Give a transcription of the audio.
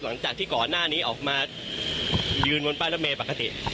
หลังจากที่ก่อนหน้านี้ออกมายืนบนป้ายรถเมย์ปกติ